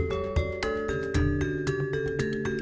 tapi hanya waktu setelah menjemput